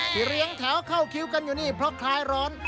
เรียงแถวเข้าคิวกันอยู่นี่เพราะคลายร้อน